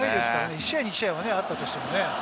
１試合・２試合はあったとしてもね。